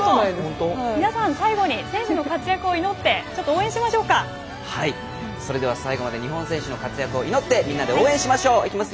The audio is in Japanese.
皆さん、最後に選手の活躍を祈って最後まで日本選手の活躍を祈ってみんなで応援しましょう。